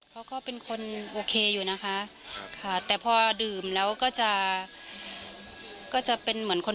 เขาก็เป็นคนโอเคอยู่นะคะค่ะแต่พอดื่มแล้วก็จะก็จะเป็นเหมือนคน